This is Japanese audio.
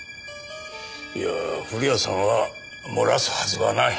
いやあ古谷さんは漏らすはずはない。